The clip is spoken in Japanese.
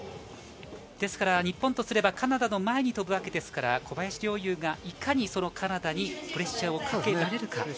日本とすればカナダの前に飛ぶわけですから、小林陵侑がいかにカナダにプレッシャーをかけられるか。